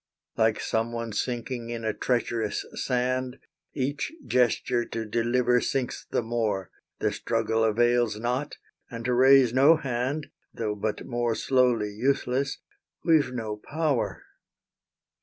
Like someone sinking in a treacherous sand, Each gesture to deliver sinks the more; The struggle avails not, and to raise no hand, Though but more slowly useless, we've no power.